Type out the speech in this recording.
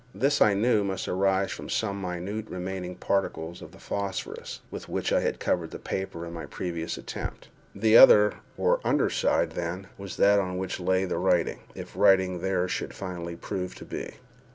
This, I knew, must arise from some very minute remaining particles of the phosphorus with which I had covered the paper in my previous attempt. The other, or under side, then, was that on which lay the writing, if writing there should finally prove to be.